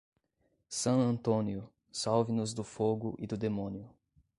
San Antonio, salve-nos do fogo e do demônio.